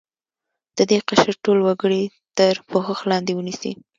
د دې قشر ټول وګړي تر پوښښ لاندې ونیسي.